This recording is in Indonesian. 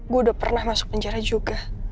gue udah pernah masuk penjara juga